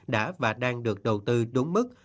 đã và đang được đầu tư đúng mức